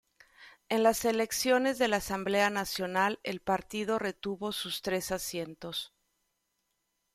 En las elecciones de la Asamblea Nacional, el partido retuvo sus tres asientos.